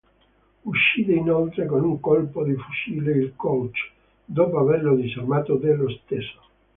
Uccide inoltre con un colpo di fucile il coach, dopo averlo disarmato dello stesso.